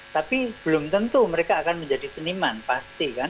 tapi belum tentu mereka akan menjadi seniman pasti kan